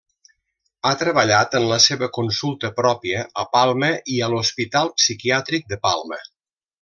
Ha treballat en la seva consulta pròpia a Palma i a l'Hospital Psiquiàtric de Palma.